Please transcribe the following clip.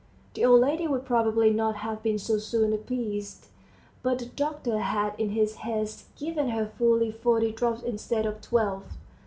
The old lady would probably not have been so soon appeased, but the doctor had in his haste given her fully forty drops instead of twelve.